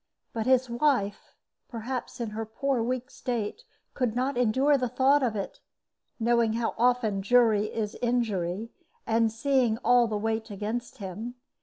But his wife, perhaps, in her poor weak state, could not endure the thought of it, knowing how often jury is injury, and seeing all the weight against him.